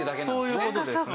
そういう事ですね。